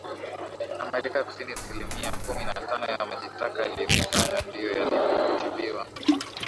Amerika ya Kusini silimia kumi na tano ya majitaka yaliyokusanywa ndio yalitibiwa